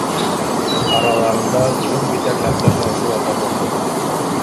Араларында үҙен битәрләп ташлаусы ла табылды: